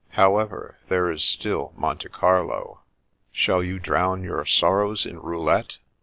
" However, there is still Monte Carlo." " Shall you drown your sorrows in roulette